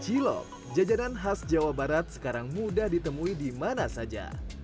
cilok jajanan khas jawa barat sekarang mudah ditemui di mana saja